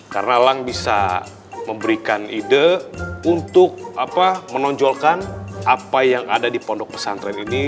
karena elang bisa memberikan ide untuk menonjolkan apa yang ada di pondok pesantren ini